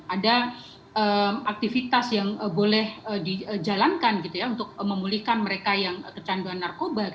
ada aktivitas yang boleh dijalankan gitu ya untuk memulihkan mereka yang kecanduan narkoba